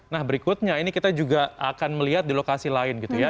nah berikutnya ini kita juga akan melihat di lokasi lain gitu ya